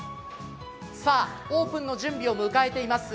オープンの準備を迎えております